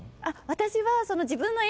私は。